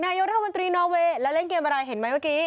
นายกรัฐมนตรีนอเวย์แล้วเล่นเกมอะไรเห็นไหมเมื่อกี้